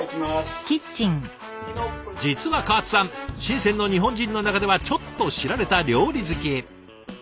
実は川津さん深の日本人の中ではちょっと知られた料理好き。